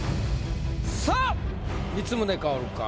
さあ光宗薫か？